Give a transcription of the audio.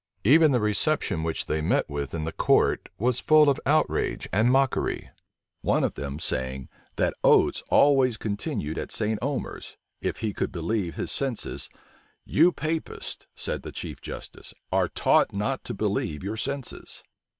Even the reception which they met with in the court was full of outrage and mockery. One of them saying, that Oates always continued at St. Omers, if he could believe his senses, "You Papists," said the chief justice, "are taught not to believe your senses."